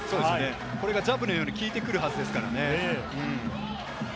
これがジャブのように効いてくるはずですから。